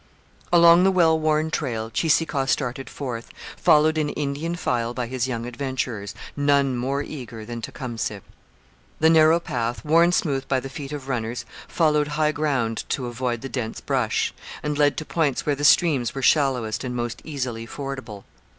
Along the well worn trail Cheeseekau started forth, followed in Indian file by his young adventurers, none more eager than Tecumseh. The narrow path, worn smooth by the feet of runners, followed high ground to avoid the dense brush, and led to points where the streams were shallowest and most easily fordable.